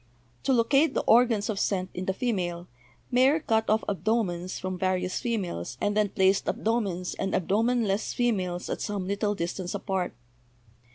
To locate the organs of scent in the female, Mayer cut off abdo mens from various females and then placed abdomens and abdomenless females at some little distance apart.